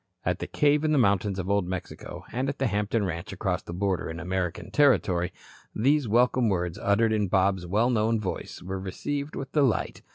At the cave in the mountains of Old Mexico and at the Hampton ranch across the border in American territory, these welcome words uttered in Bob's well known voice were received with delight.